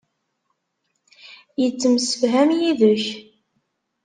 Yettemsefham yid-k.